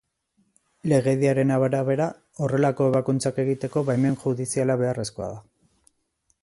Legediaren arabera, horrelako ebakuntzak egiteko baimen judiziala beharrezkoa da.